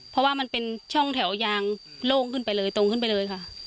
เพราะว่ามันเป็นช่องแถวยางโล่งขึ้นไปเลยตรงขึ้นไปเลยค่ะ